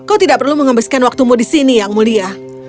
kau tidak perlu mengembaskan waktumu di sini yang mulia